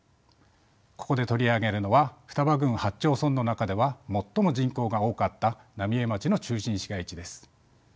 ここで取り上げるのは双葉郡８町村の中では最も人口が多かった浪江町の中心市街地です。